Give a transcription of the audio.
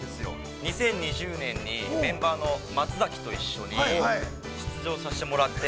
２０２０年にメンバーの松崎と一緒に出場させてもらって。